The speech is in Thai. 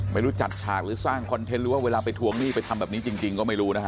ไม่รู้จัดฉากหรือสร้างคอนเทนต์หรือว่าเวลาไปทวงหนี้ไปทำแบบนี้จริงก็ไม่รู้นะฮะ